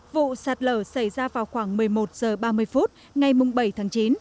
vụ sạt lở xảy ra vào khoảng một mươi một h ba mươi ngay mùng bảy tháng chín